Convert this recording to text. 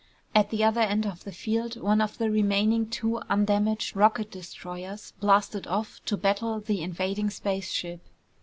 At the other end of the field one of the remaining two undamaged rocket destroyers blasted off to battle the invading spaceship.